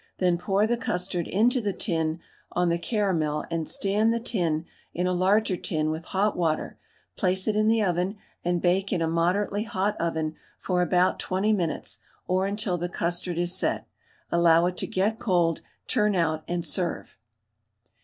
Then pour the custard into the tin on the caramel and stand the tin in a larger tin with hot water, place it in the oven, and bake in a moderately hot oven for about 20 minutes or until the custard is set. Allow it to get cold, turn out, and serve.